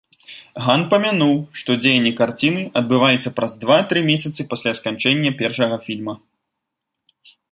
Ган памянуў, што дзеянне карціны адбываецца праз два-тры месяцы пасля сканчэння першага фільма.